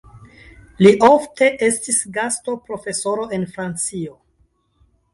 Li ofte estis gastoprofesoro en Francio.